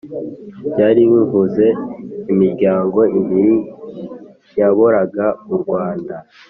byari bivuze imiryango ibiri yayoboraga u rwanda